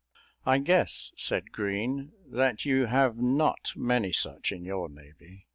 "I guess," said Green, "that you have not many such in your navy."